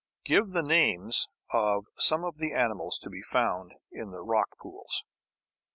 Give the names of some of the animals to be found in the rock pools.